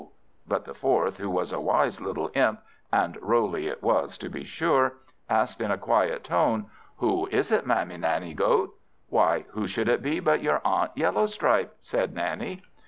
But the fourth, who was a wise little imp (and Roley it was, to be sure), asked in a quiet tone, "Who is it, Mammy Nanny goat?" "Why, who should it be but your Aunt Yellowstripe?" said Nanny.